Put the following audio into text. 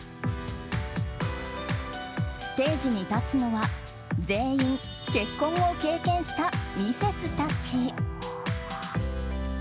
ステージに立つのは全員結婚を経験したミセスたち。